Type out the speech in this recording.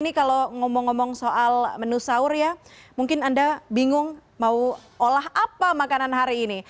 ini kalau ngomong ngomong soal menu sahur ya mungkin anda bingung mau olah apa makanan hari ini